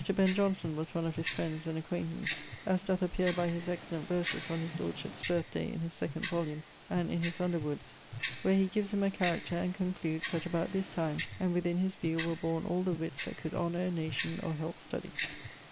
Ben: Johnson was one of his friends and acquaintance, as doeth appeare by his excellent verses on his lordship's birth day in his second volume, and in his Underwoods, where he gives him a character and concludes that 'about his time, and within his view were borne all the witts that could honour a nation or help studie.'